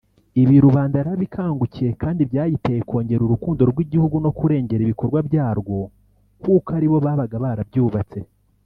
Ibi rubanda yarabikangukiye kandi byayiteye kwongera urukundo rw’igihugu no kurengera ibikorwa byarwo kuko alibo babaga barabyubatse